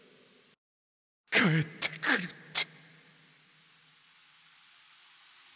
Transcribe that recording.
帰ってくるって。